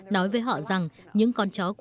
nói với họ rằng